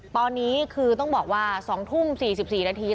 ตอนนี้คือต้องบอกว่า๒ทุ่ม๔๔นาที